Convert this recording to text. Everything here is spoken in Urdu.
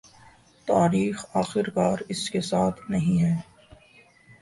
تاریخ آخرکار اس کے ساتھ نہیں ہے